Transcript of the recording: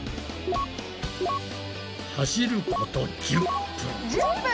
走ること１０分。